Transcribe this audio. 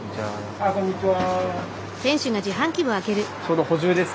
ああこんにちは。